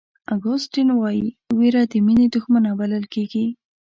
اګوستین وایي وېره د مینې دښمنه بلل کېږي.